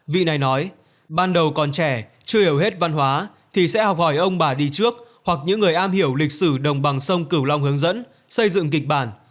vị này nói ban đầu còn trẻ chưa hiểu hết văn hóa thì sẽ học hỏi ông bà đi trước hoặc những người am hiểu lịch sử đồng bằng sông cửu long hướng dẫn xây dựng kịch bản